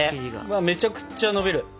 うわめちゃくちゃのびる。